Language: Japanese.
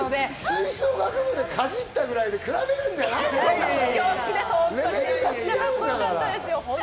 吹奏楽部をかじったぐらいで比べるんじゃないよ。